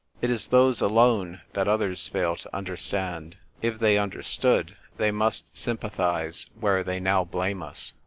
It is those alone that others iail to understand. If they understood, they must sympathise where now they blame us.